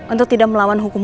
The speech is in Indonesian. untuk tidak melawan hukummu